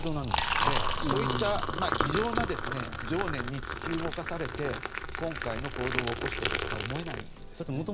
そういった異常な情念に突き動かされて今回の行動を起こしたとしか思えないんですよね。